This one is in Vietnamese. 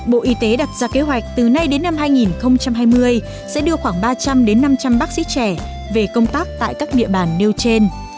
bộ y tế đặt ra kế hoạch từ nay đến năm hai nghìn hai mươi sẽ đưa khoảng ba trăm linh năm trăm linh bác sĩ trẻ về công tác tại các địa bàn nêu trên